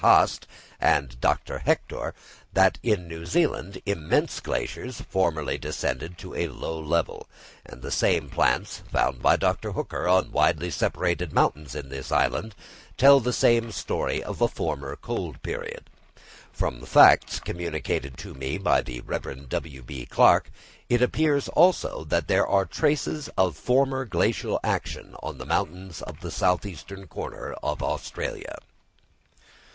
Haast and Dr. Hector, that in New Zealand immense glaciers formerly descended to a low level; and the same plants, found by Dr. Hooker on widely separated mountains in this island tell the same story of a former cold period. From facts communicated to me by the Rev. W.B. Clarke, it appears also that there are traces of former glacial action on the mountains of the south eastern corner of Australia.